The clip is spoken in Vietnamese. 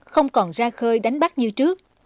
không còn ra khơi đánh bắt như trước